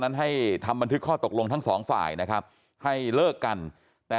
นั้นให้ทำบันทึกข้อตกลงทั้งสองฝ่ายนะครับให้เลิกกันแต่